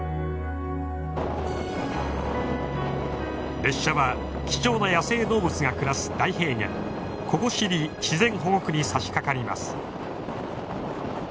列車は貴重な野生動物が暮らす大平原ココシリ自然保護区にさしかかります。